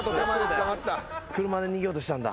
車で逃げようとしたんだ。